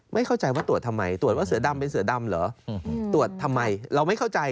ไม่เข้าใจว่าตรวจทำไมตรวจว่าเสือดำเป็นเสือดำเหรอตรวจทำไมเราไม่เข้าใจ